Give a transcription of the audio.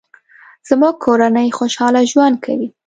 زموږ کورنۍ خوشحاله ژوند کوي